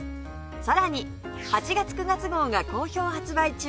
さらに８月９月号が好評発売中